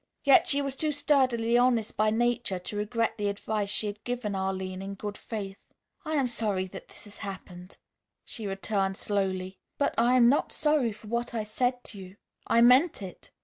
Yet she was too sturdily honest by nature to regret the advice she had given Arline in good faith. "I am sorry this has happened," she returned slowly, "but I am not sorry for what I said to you. I meant it.